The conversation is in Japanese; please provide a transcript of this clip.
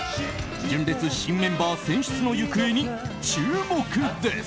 純烈新メンバー選出の行方に注目です！